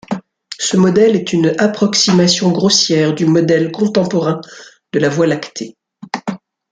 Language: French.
Ce modèle est une approximation grossière du modèle contemporain de la Voie lactée.